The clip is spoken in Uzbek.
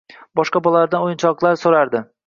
boshqa bolalardan o‘yinchoqdar so‘raydi